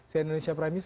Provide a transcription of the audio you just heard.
saya indonesia prime news